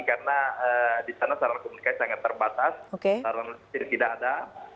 karena di sana saran komunikasi sangat terbatas saran kecil tidak ada